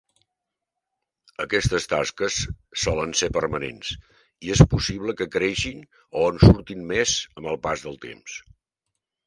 Aquestes taques solen ser permanents, i és possible que creixin o en surtin més amb el pas del temps.